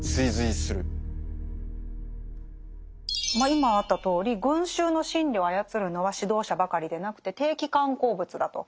今あったとおり群衆の心理を操るのは指導者ばかりでなくて定期刊行物だと。